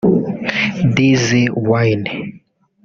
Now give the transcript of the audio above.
Dizzy Wine